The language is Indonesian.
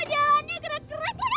aduh jalannya gerak gerak